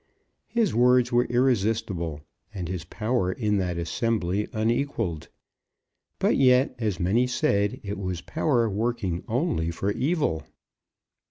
His words were irresistible, and his power in that assembly unequalled. But yet, as many said, it was power working only for evil.